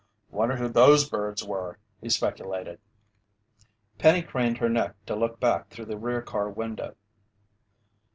"Wonder who those birds were?" he speculated. Penny craned her neck to look back through the rear car window.